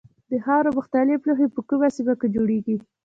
د خاورو مختلف لوښي په کومه سیمه کې جوړیږي.